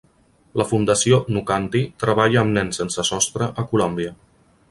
La Fundació Nukanti treballa amb nens sense sostre a Colòmbia.